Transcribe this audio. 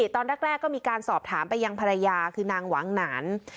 ตอนแรกก็มีการสอบถามไปยังภรรยาคือนางหวังหนาน